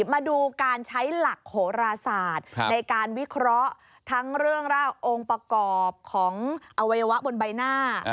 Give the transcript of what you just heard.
มาดูการใช้หลักโหราศาสตร์ในการวิเคราะห์ทั้งเรื่องราวองค์ประกอบของอวัยวะบนใบหน้า